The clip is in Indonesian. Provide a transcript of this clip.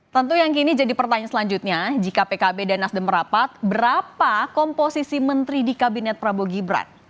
tentu yang kini jadi pertanyaan selanjutnya jika pkb dan nasdem merapat berapa komposisi menteri di kabinet prabowo gibran